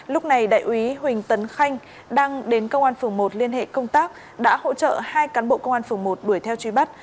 lúc này đại úy huỳnh tấn khanh đang đến công an phường một liên hệ công tác đã hỗ trợ hai cán bộ công an phường một đuổi theo truy bắt